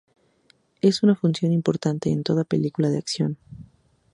Es una función importante en toda película de acción.